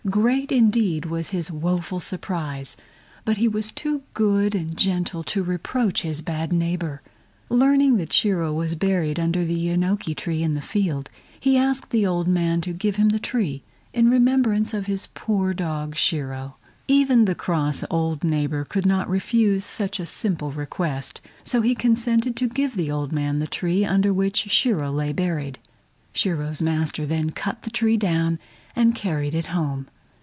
Great indeed, was his woful surprise, but he was too good and gentle to reproach his bad neighbor. Learning that Shiro was buried under the yenoki tree in the field, he asked the old man to give him the tree, in remembrance of his poor dog Shiro. Even the cross old neighbor could not refuse such a simple request, so he consented to give the old man the tree under which Shiro lay buried. Shiro's master then cut the tree down and carried it home.